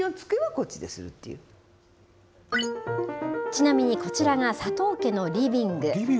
ちなみに、こちらが佐藤家のリビング。